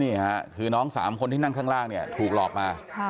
นี่ค่ะคือน้องสามคนที่ที่ตึกข้างล่างถูกหลอกมา